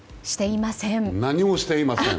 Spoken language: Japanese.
何もしていません。